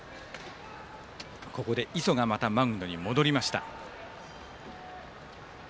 ここで磯がまたマウンドに戻りました。